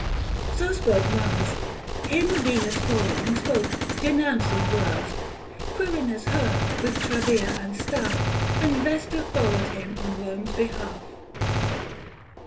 So spoke Mars : Him Venus following spoke, denouncing wars ; 440 Quirinus her, with trabea and staff — And Vesta followed him on Home's behalf.